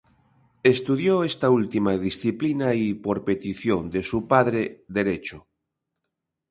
Estudió esta última disciplina y, por petición de su padre, Derecho.